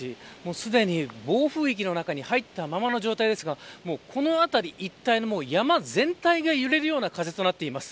すでに暴風域の中に入ったままの状態ですがこの辺り一帯の山全体が揺れるような風となっています。